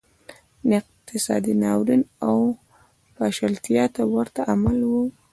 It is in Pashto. دا اقتصادي ناورین او پاشلتیا ته ورته عمل و